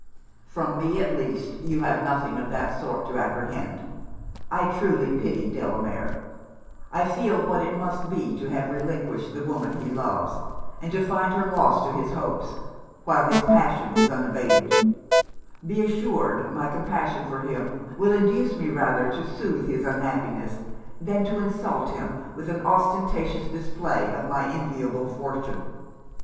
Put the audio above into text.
'From me, at least, you have nothing of that sort to apprehend: I truly pity Delamere; I feel what it must be to have relinquished the woman he loves; and to find her lost to his hopes, while his passion is unabated: be assured my compassion for him will induce me rather to soothe his unhappiness than to insult him with an ostentatious display of my enviable fortune.